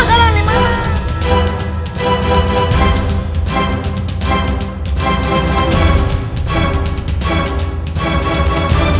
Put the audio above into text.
kalah nih mana